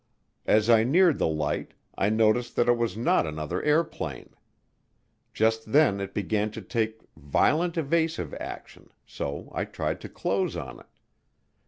As I neared the light I noticed that it was not another airplane. Just then it began to take violent evasive action so I tried to close on it.